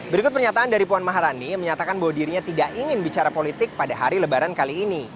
berikut pernyataan dari puan maharani yang menyatakan bahwa dirinya tidak ingin bicara politik pada hari lebaran kali ini